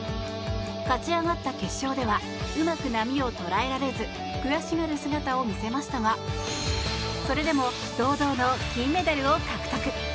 勝ち上がった決勝ではうまく波を捉えられず悔しがる姿を見せましたがそれでも堂々の銀メダルを獲得。